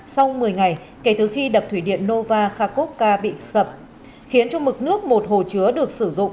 sau một mươi ngày kể từ khi đập thủy điện nova khakovca bị sập khiến cho mực nước một hồ chứa được sử dụng